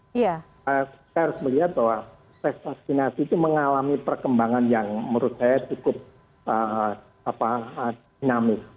kita harus melihat bahwa tes vaksinasi itu mengalami perkembangan yang menurut saya cukup dinamis